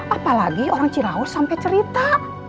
apalagi orang ciraus sampai cerita